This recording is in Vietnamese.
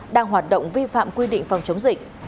đang hoạt động vi phạm quy định phòng chống dịch